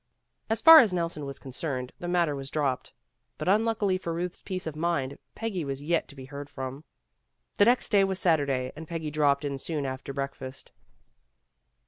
As far as Nelson was concerned, the matter was dropped, but unluckily for Ruth's peace of mind Peggy was yet to be heard from. The next day was Saturday and Peggy dropped in soon after breakfast.